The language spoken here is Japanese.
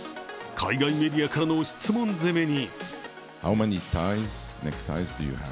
海外メディアからの質問攻めに。